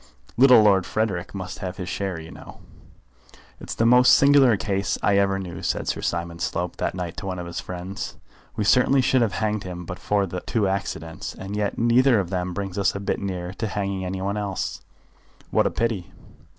Little Lord Frederick must have his share, you know." "It's the most singular case I ever knew," said Sir Simon Slope that night to one of his friends. "We certainly should have hanged him but for the two accidents, and yet neither of them brings us a bit nearer to hanging any one else." "What a pity!"